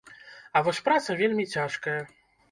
А вось праца вельмі цяжкая.